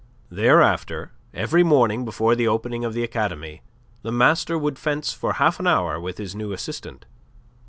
Thereafter every morning before the opening of the academy, the master would fence for half an hour with his new assistant.